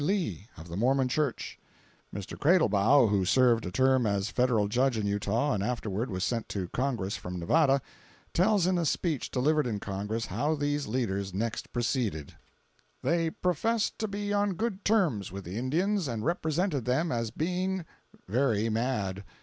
Lee, of the Mormon Church. Mr. Cradlebaugh, who served a term as a Federal Judge in Utah and afterward was sent to Congress from Nevada, tells in a speech delivered in Congress how these leaders next proceeded: "They professed to be on good terms with the Indians, and represented them as being very mad.